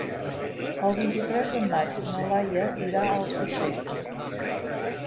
El vint-i-tres de maig na Laia irà a Alcosser.